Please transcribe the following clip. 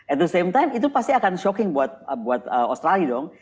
at the same time itu pasti akan shocking buat australia dong